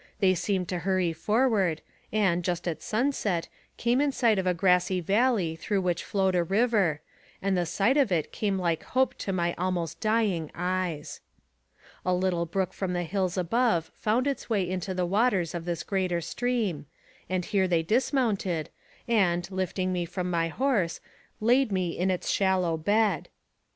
They seemed to hurry forward, and, just at sun set, came in sight of a grassy valley through which flowed a river, and the sight of it came like hope to my almost dying eyes. A little brook from the hills above found its way into the waters of this greater stream, and here they dismounted, and, lifting me from my horse, kiid me in its shallow bed.